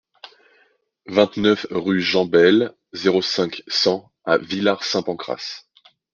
vingt-neuf rue Jean Bayle, zéro cinq, cent à Villar-Saint-Pancrace